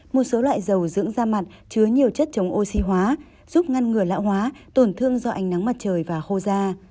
một số loại dầu dưỡng da mặt chứa nhiều chất chống oxy hóa giúp ngăn ngừa lão hóa tổn thương do ánh nắng mặt trời và khô da